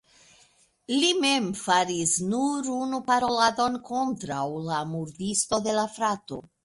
Li mem faris nur unu paroladon kontraŭ la murdisto de la frato.